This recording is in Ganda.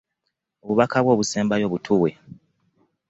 Obubaka bwo obusembayo butuwe.